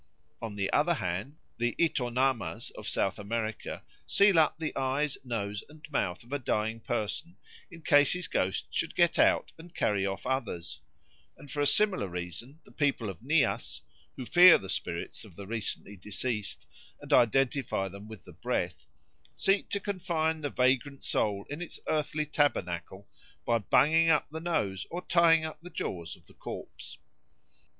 On the other hand, the Itonamas of South America seal up the eyes, nose, and mouth of a dying person, in case his ghost should get out and carry off others; and for a similar reason the people of Nias, who fear the spirits of the recently deceased and identify them with the breath, seek to confine the vagrant soul in its earthly tabernacle by bunging up the nose or tying up the jaws of the corpse.